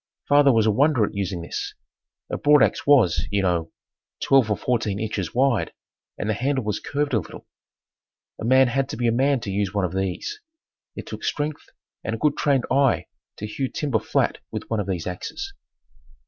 Father was a wonder at using this. A broadax was, you know, twelve or fourteen inches wide and the handle was curved a little. A man had to be a man to use one of these. It took strength and a good trained eye to hew timber flat with one of these axes.